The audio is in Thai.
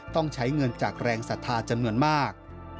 ต้องใช้เงินจากแรงศรัทธาจำนวนมาก